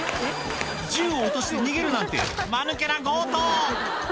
銃を落として逃げるなんてマヌケな強盗！